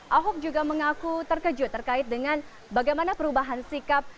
ahok juga mengaku terkejut terkait dengan bagaimana perubahan sikap